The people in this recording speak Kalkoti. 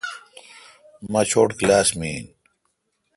مہ چوٹ کلاس می این۔